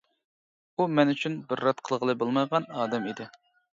ئۇ مەن ئۈچۈن بىر رەت قىلغىلى بولمايدىغان ئادەم ئىدى.